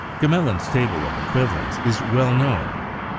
Gmelin's table of equivalents is well known.